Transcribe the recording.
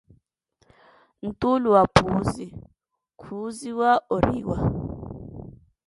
Ntuulu wa Puuzi, khuuziwa oriwa.